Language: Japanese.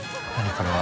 これは。